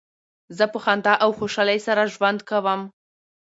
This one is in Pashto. زه په خندا او خوشحالۍ سره ژوند کوم.